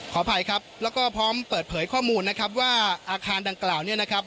ขออภัยครับแล้วก็พร้อมเปิดเผยข้อมูลนะครับว่าอาคารดังกล่าวเนี่ยนะครับ